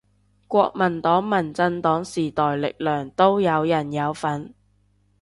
國民黨民進黨時代力量都有人有份